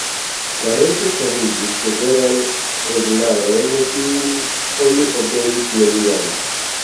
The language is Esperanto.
La Reĝo starigis severan regularon, kiun oni obeis neniam.